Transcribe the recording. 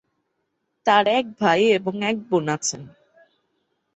তার এক ভাই এবং এক বোন আছেন।